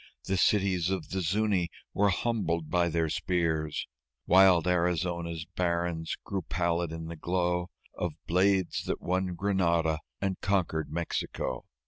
The cities of the Zuñi were humbled by their spears. Wild Arizona's barrens grew pallid in the glow Of blades that won Granada and conquered Mexico.